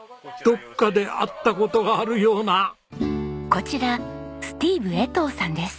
こちらスティーヴエトウさんです。